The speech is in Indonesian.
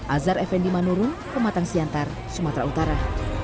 azhar effendi manurun pematang siantar sumatera utara